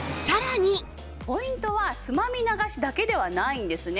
ポイントはつまみ流しだけではないんですね。